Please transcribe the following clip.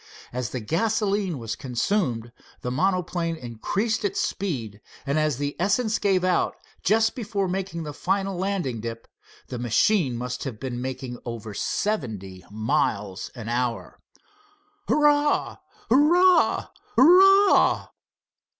As the gasoline was consumed the monoplane increased its speed, and as the essence gave out, just before making the final landing dip, the machine must have been making over seventy miles an hour. "Hurrah! hurrah! hurrah!"